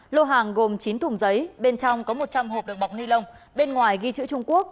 lô hàng gồm chín thùng giấy bên trong có một trăm linh hộp được bọc ni lông bên ngoài ghi chữ trung quốc